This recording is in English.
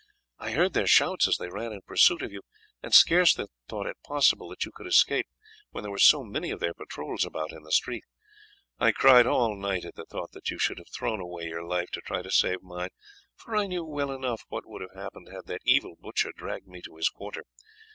I heard their shouts as they ran in pursuit of you, and scarce thought it possible that you could escape when there was so many of their patrols about in the street. I cried all night at the thought that you should have thrown away your life to try to save mine, for I knew well enough what would have happened had that evil butcher dragged me to his quarter.